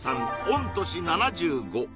御年７５